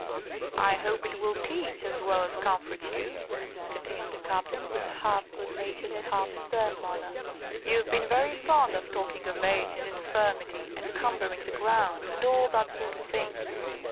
"I hope it will teach as well as comfort you," continued the Captain, with a half good natured, half stern manner. "You've been very fond of talking of age and infirmity, and 'cumbering the ground,' and all that sort of thing.